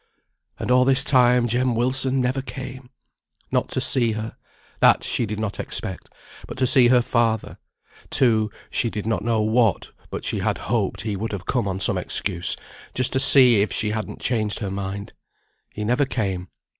And all this time Jem Wilson never came! Not to see her that she did not expect but to see her father; to she did not know what, but she had hoped he would have come on some excuse, just to see if she hadn't changed her mind. He never came.